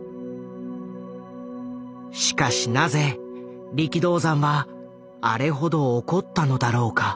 しかしなぜ力道山はあれほど怒ったのだろうか？